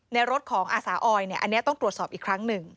ในรถของอาสาออยอันนี้ต้องตรวจสอบอีกครั้งหนึ่ง